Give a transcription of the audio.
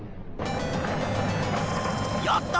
やった！